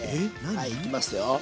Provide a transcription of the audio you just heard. はいいきますよ。